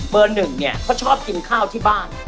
หนึ่งเนี่ยเขาชอบกินข้าวที่บ้าน